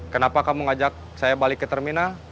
kenapa kamu ngajak saya balik ke terminal